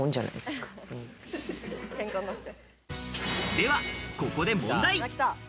では、ここで問題。